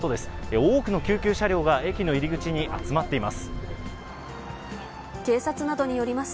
多くの救急車両が駅の入り口に集まっています。